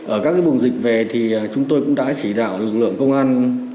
ở các vùng dịch về thì chúng tôi cũng đã chỉ đạo lực lượng công an